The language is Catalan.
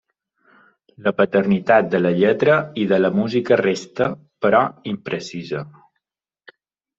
La paternitat de la lletra i de la música resta, però, imprecisa.